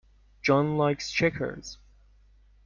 John likes checkers.